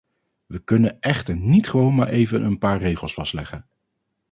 We kunnen echter niet gewoon maar even een paar regels vastleggen.